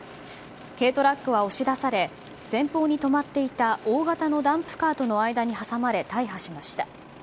軽トラックは押し出され前方に止まっていた大型のダンプカーとの間に挟まれ大破しました。